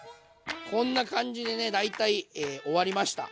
こんな感じでね大体終わりました。